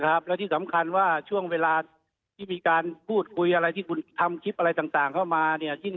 แล้วที่สำคัญว่าช่วงเวลาที่มีการพูดคุยอะไรที่คุณทำคลิปอะไรต่างเข้ามาเนี่ย